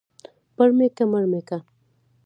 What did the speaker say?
پړ مى که مړ مى که.